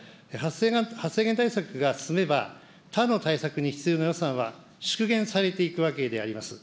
発生源対策が進めば、他の対策に必要な予算は縮減されていくわけであります。